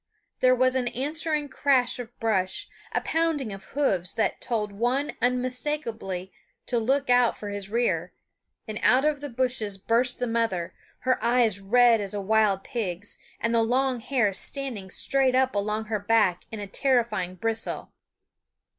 There was an answering crash of brush, a pounding of hoofs that told one unmistakably to look out for his rear, and out of the bushes burst the mother, her eyes red as a wild pig's, and the long hair standing straight up along her back in a terrifying bristle.